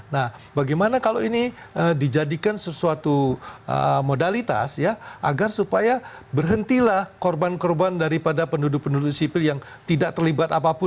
nah bagaimana kalau ini dijadikan sesuatu modalitas ya agar supaya berhentilah korban korban daripada penduduk penduduk sipil yang tidak terlibat apapun